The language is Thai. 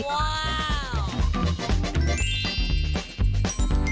ว้าว